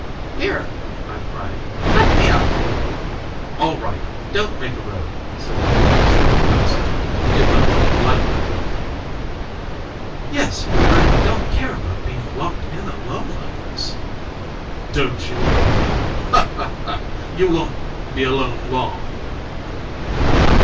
"Here!" I cried. "Let me out!" "All right! Don't make a row!" said my host from the passage. "You've got the light all right." "Yes, but I don't care about being locked in alone like this." "Don't you?" I heard his hearty, chuckling laugh. "You won't be alone long."